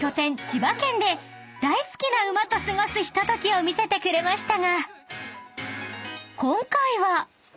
千葉県で大好きな馬と過ごすひとときを見せてくれましたが今回は］